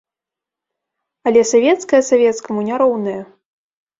Але савецкае савецкаму не роўнае.